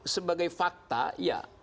sebagai fakta iya